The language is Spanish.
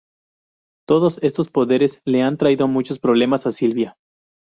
Todos estos poderes le han traído muchos problemas a Silvia.